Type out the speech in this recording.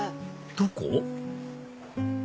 どこ？